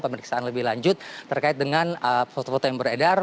pemeriksaan lebih lanjut terkait dengan foto foto yang beredar